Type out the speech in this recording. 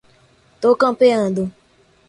Tô campeando